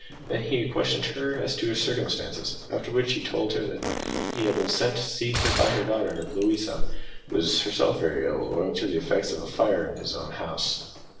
Then he questioned her as to her circumstances; after which he told her that he had been sent to see her by his daughter Louisa, who was herself very ill, owing to the effects of a fire in his own house.